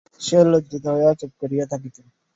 সে লজ্জিত হইয়া চুপ করিয়া থাকিত।